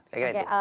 saya kira itu